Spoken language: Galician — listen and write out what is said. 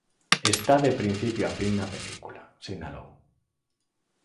"Está de principio a fin na película", sinalou.